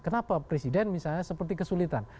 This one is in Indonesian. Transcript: kenapa presiden misalnya seperti kesulitan